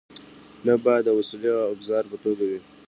نه باید د وسیلې او ابزار په توګه وي.